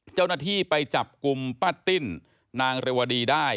เจ้าหน้าที่ไปจับกลุ่มป้าติ้นนางเรวดีได้